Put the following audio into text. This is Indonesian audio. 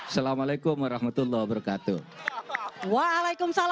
assalamualaikum warahmatullah wabarakatuh